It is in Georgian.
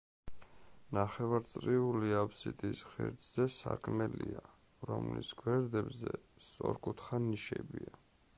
ნახევარწრიული აფსიდის ღერძზე სარკმელია, რომლის გვერდებზე სწორკუთხა ნიშებია.